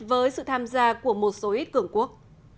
với sự tham gia của một số ít cường quốc